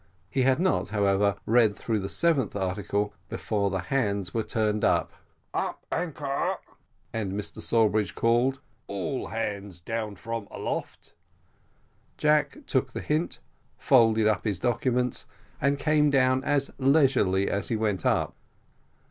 He had not, however, read through the seventh article before the hands were turned up "up anchor!" and Mr Sawbridge called, "All hands down from aloft!" Jack took the hint, folded up his documents, and came down as leisurely as he went up.